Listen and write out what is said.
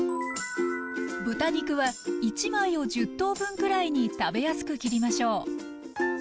豚肉は１枚を１０等分くらいに食べやすく切りましょう。